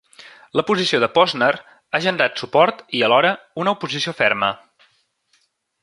La posició de Posner ha generat suport i, alhora, una oposició ferma.